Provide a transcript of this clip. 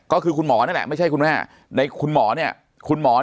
ก็คือคุณหมอนั่นแหละไม่ใช่คุณแม่ในคุณหมอเนี่ยคุณหมอ